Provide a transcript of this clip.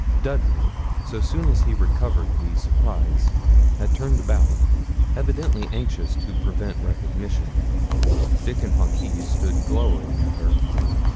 Dudley, so soon as he recovered the surprise, had turned about, evidently anxious to prevent recognition; Dickon Hawkes stood glowering at her.